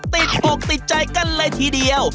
ติดอกติดใจกันเลยทีเดียว